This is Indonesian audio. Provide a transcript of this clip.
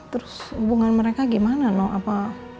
terus hubungan mereka gimana